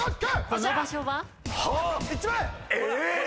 この場所は？